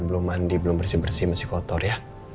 belum mandi belum bersih bersih masih kotor ya